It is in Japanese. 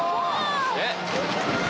えっ？